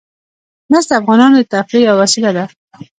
مس د افغانانو د تفریح یوه وسیله ده.